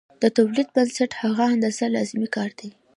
د تولید بنسټ هغه اندازه لازمي کار دی